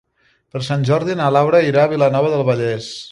Per Sant Jordi na Laura irà a Vilanova del Vallès.